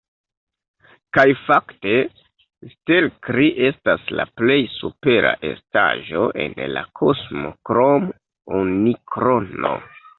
Kaj fakte, Stelkri estas la plej supera estaĵo en la kosmo krom Unikrono.